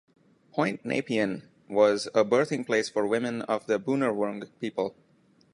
Point Nepean was a birthing place for women of the Boonerwrung People.